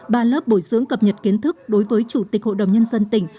ba lớp bồi dưỡng cập nhật kiến thức đối với chủ tịch hội đồng nhân dân tỉnh